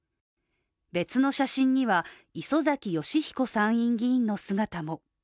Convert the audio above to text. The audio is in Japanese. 別の写真には磯崎仁彦参院議員の姿も。